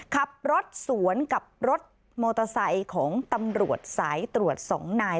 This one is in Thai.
ขับรถสวนกับรถมอเตอร์ไซค์ของตำรวจสายตรวจ๒นาย